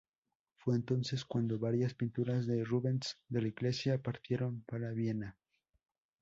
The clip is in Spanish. Fue entonces cuando varias pinturas de Rubens de la iglesia partieron para Viena.